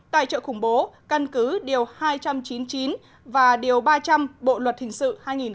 tài trợ khủng bố căn cứ điều hai trăm chín mươi chín và điều ba trăm linh bộ luật hình sự hai nghìn một mươi năm